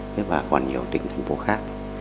nhưng còn nhiều tỉnh thành phố khác